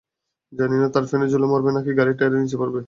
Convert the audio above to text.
জানি না, তারা ফ্যানে ঝুলে মরবে, নাকি গাড়ির টায়ারের নিচে পড়বে!